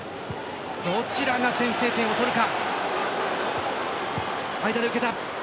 どちらが先制点を取るか。